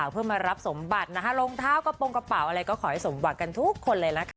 เพื่อมารับสมบัตินะคะรองเท้ากระโปรงกระเป๋าอะไรก็ขอให้สมหวังกันทุกคนเลยล่ะค่ะ